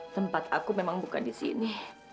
tempat aku memang buka di sini